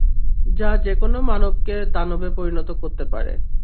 যা যেকোনো মানবকে দানবে পরিণত করতে পারে।